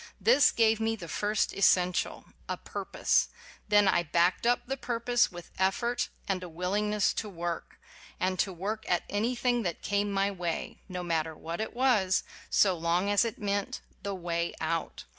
This gave me the first essential : a pur pose. Then I backed up the purpose with effort and a willingness to work, and to work at anything that came my way, no matter what it was, so long as it meant "the way out."